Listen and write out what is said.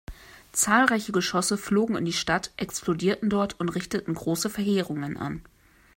Zahlreiche Geschosse flogen in die Stadt, explodierten dort und richteten große Verheerungen an.